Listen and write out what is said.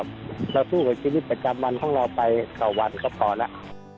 เราสู้กับชีวิตประจำวันของเราไปต่อวันก็พอแล้ว